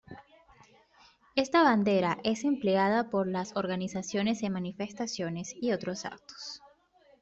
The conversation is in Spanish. Esta bandera es empleada por las organizaciones en manifestaciones y otros actos.